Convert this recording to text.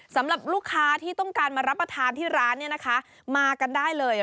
สำหรับลูกค้าที่ต้องการมารับประทานที่ร้านเนี่ยนะคะมากันได้เลย